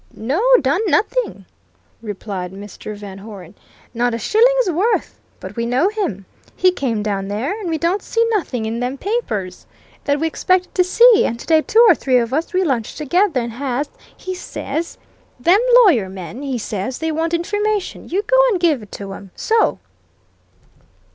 "No done nothing," replied Mr. Van Hoeren. "Not a shilling's worth. But we know him. He came down there. And we don't see nothing in them papers that we expected to see, and today two or three of us, we lunch together, and Haas, he says: 'Them lawyer men,' he says, 'they want information. You go and give it to 'em. So!"